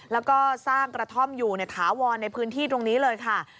แล้วก็สร้างกระท่อมอยู่ถาวรในพื้นที่ตรงนี้เลยค่ะ